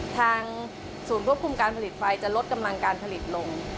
ทางศูนย์ควบคุมการผลิตไฟจะลดกำลังการผลิตลง